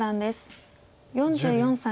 ４４歳。